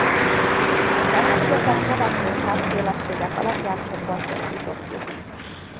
Az eszközöket növekvő sávszélességek alapján csoportosítottuk.